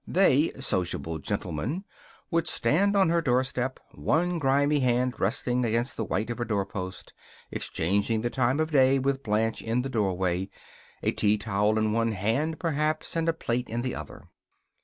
They sociable gentlemen would stand on her door step, one grimy hand resting against the white of her doorpost, exchanging the time of day with Blanche in the doorway a tea towel in one hand, perhaps, and a plate in the other.